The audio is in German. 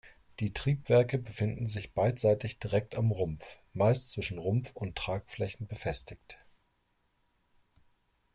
Die Triebwerke befinden sich beidseitig direkt am Rumpf, meist zwischen Rumpf und Tragflächen befestigt.